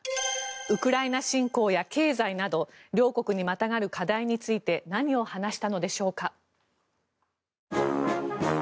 ウクライナ侵攻や経済など両国にまたがる課題について何を話したのでしょうか。